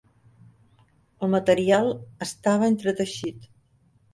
El material estava entreteixit.